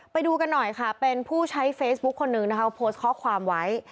ไปดูกันหน่อยค่ะเป็นผู้ใช้เฟซบุ๊คคนนึงนะคะเขาโพสต์ข้อความไว้